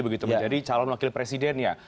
menjadi calon wakil presiden ya